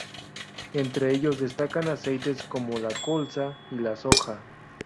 Entre ellos destacan aceites como la colza y la soja.